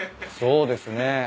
そうですね。